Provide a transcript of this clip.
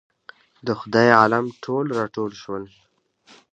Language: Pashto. د خدای عالم ټول راټول شول.